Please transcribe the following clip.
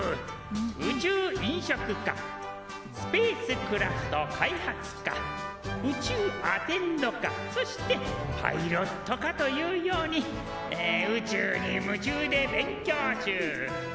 宇宙飲食科スペースクラフト開発科宇宙アテンド科そしてパイロット科というように宇宙に夢中で勉強中しょちゅう。